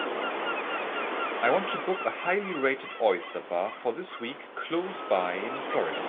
I want to book a highly rated oyster bar for this week close by in Florida.